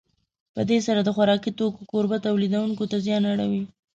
په دې سره د خوراکي توکو کوربه تولیدوونکو ته زیان اړوي.